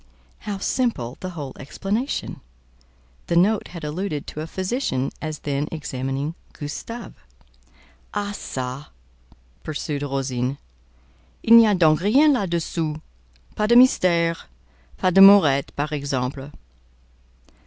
How simple the whole explanation! The note had alluded to a physician as then examining "Gustave." "Ah ça!" pursued Rosine; "il n'y a donc rien là dessous: pas de mystère, pas d'amourette, par exemple?"